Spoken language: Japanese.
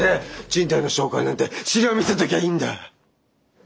賃貸の紹介なんて資料見せときゃいいんだ。